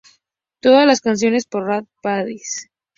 Todas las canciones por Ray Davies.